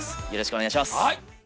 よろしくお願いします。